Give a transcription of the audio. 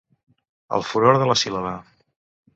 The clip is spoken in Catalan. El furor de la sibil·la.